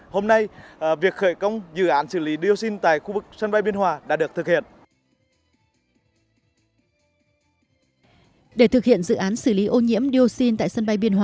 hôm nay việc khởi công dự án xử lý dioxin tại khu vực sân bay biên hòa đã được thực hiện